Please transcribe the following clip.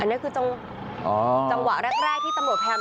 อันนี้คือจังหวะแรกที่ตำรวจพยายาม